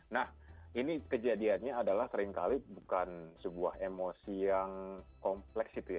nah ini kejadiannya adalah seringkali bukan sebuah emosi yang kompleks itu ya